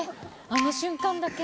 あの瞬間だけ？